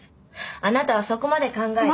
あなたはそこまで考えて。